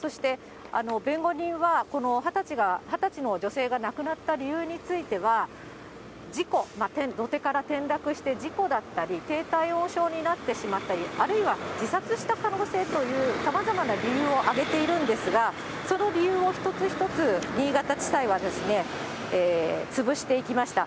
そして弁護人は、この２０歳の女性が亡くなった理由については、事故、土手から転落して事故だったり、低体温症になってしまったり、あるいは自殺した可能性という、さまざまな理由を挙げているんですが、その理由を一つ一つ、新潟地裁は潰していきました。